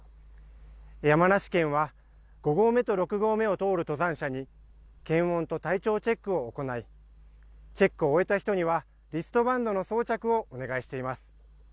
山梨県は、５合目と６合目を通る登山者に、検温と体調チェックを行い、チェックを終えた人には、リストバンドの装着をお願いしています。